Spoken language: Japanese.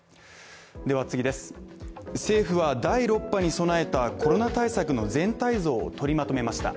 政府は第６波に備えたコロナ対策の全体像を取りまとめました。